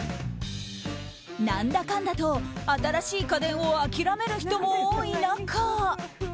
何だかんだと新しい家電を諦める人も多い中